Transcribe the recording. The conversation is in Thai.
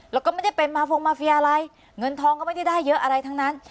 แล้วก็ไม่ได้เป็นมาฟงมาเฟียอะไรเงินทองก็ไม่ได้ได้เยอะอะไรทั้งนั้น